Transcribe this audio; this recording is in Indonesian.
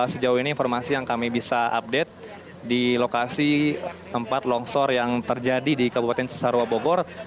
sejauh ini informasi yang kami bisa update di lokasi tempat longsor yang terjadi di kabupaten sesarwa bogor